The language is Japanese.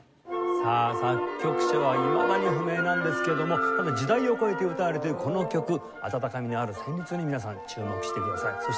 さあ作曲者はいまだに不明なんですけども時代を超えて歌われているこの曲温かみのある旋律に皆さん注目してください。